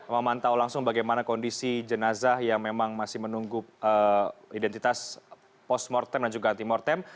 memantau langsung bagaimana kondisi jenazah yang memang masih menunggu identitas post mortem dan juga anti mortem